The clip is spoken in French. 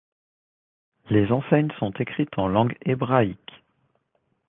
Les enseignes sont écrites en langue hébraïque.